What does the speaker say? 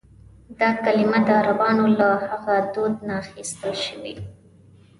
دا کلیمه د عربانو له هغه دود نه اخیستل شوې.